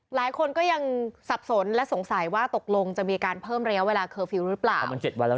หลายคนก็ยังสับสนและสงสัยว่าตกลงจะมีการเพิ่มระยะเวลาเคอร์ฟิลล์หรือเปล่า